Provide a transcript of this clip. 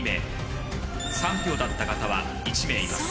３票だった方は１名います。